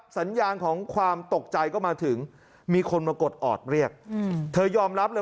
สัญญาณของความตกใจก็มาถึงมีคนมากดออดเรียกเธอยอมรับเลย